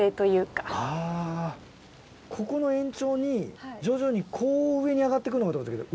ここの延長に徐々にこう上に上がってくのかと思ったけど。